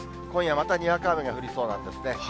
今夜、またにわか雨が降りそうなんですね。